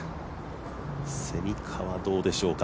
蝉川はどうでしょうか。